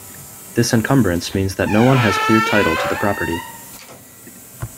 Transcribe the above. This encumbrance means that no one has clear title to the property.